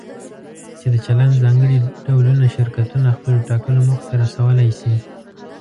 چې د چلند ځانګړي ډولونه شرکتونه خپلو ټاکلو موخو ته رسولی شي.